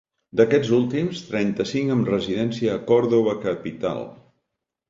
D'aquests últims, trenta-cinc amb residència a Còrdova capital.